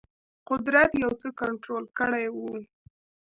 قدرت یو څه کنټرول کړی وو.